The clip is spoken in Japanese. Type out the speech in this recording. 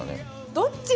どっち！？